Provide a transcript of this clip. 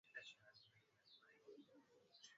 Haya ni majani yaliyo na uwezo wa kufanya